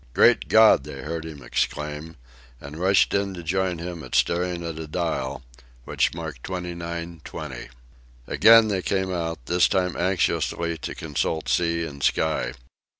"Great God!" they heard him exclaim, and rushed in to join him at staring at a dial, which marked twenty nine twenty. Again they came out, this time anxiously to consult sea and sky.